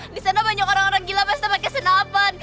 di sana banyak orang orang gila pak yang sedang pakai kesenapan